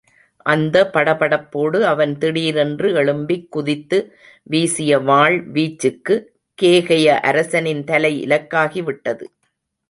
அந்த படபடப்போடு அவன் திடீரென்று எழும்பிக் குதித்து வீசிய வாள் வீச்சுக்குக் கேகய அரசனின் தலை இலக்காகி விட்டது.